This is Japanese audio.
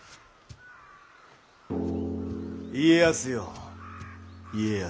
家康よ家康。